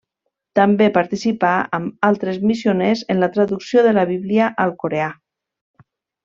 També participà amb altres missioners en la traducció de la Bíblia al coreà.